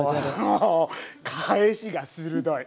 おお返しが鋭い！